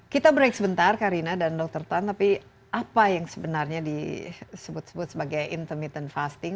kita break sebentar karina dan dr tan tapi apa yang sebenarnya disebut sebut sebagai intermittent fasting